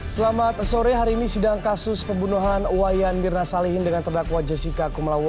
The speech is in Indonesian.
sampai jumpa di sampai jumpa di sampai jumpa